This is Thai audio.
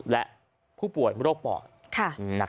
และผู้ป่วยโรคปอด